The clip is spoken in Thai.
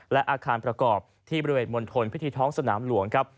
และอาคารประกอบที่บริเวณมณฑลพิธีท้องสนามหลวงครับ